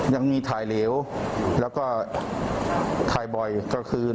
ยังมีถ่ายเหลวแล้วก็ถ่ายบ่อยก็คือ